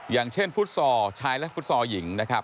อย่างเช่นฟุตซอลชายและฟุตซอลหญิงนะครับ